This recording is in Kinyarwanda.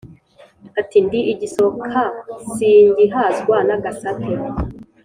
Ati : “Ndi igisoka singihazwa n’agasate,”